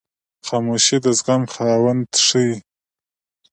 خاموشي، د زغم خاوند ښیي.